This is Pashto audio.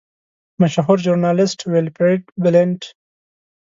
مشهور ژورنالیسټ ویلفریډ بلنټ.